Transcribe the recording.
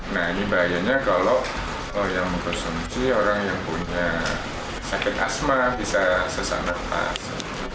nah ini bahayanya kalau yang mengkonsumsi orang yang punya sakit asma bisa sesak nafas